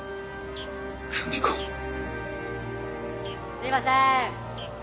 すいません！